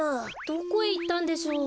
どこへいったんでしょう？